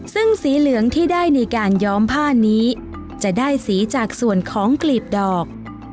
ซึ่งสีเหลืองที่ได้ในการย้อมผ้านี้จะได้สีจากส่วนของกลีบดอก